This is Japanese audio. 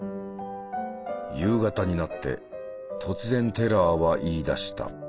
夕方になって突然テラーは言いだした。